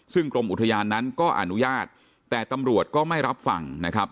ซึ่งกรมอุทยานนั้นก็อนุญาตแต่ตำรวจก็ไม่รับฟังนะครับ